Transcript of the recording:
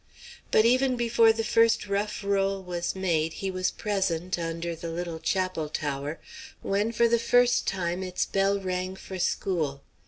But even before the first rough roll was made he was present, under the little chapel tower, when for the first time its bell rang for school.